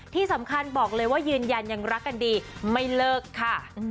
ที่สำคัญบอกเลยว่ายืนยันยังรักกันดีไม่เลิกค่ะ